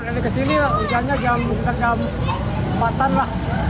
dari ke sini hujannya jam empat an lah